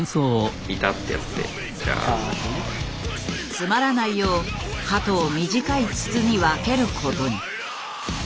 詰まらないよう鳩を短い筒に分けることに。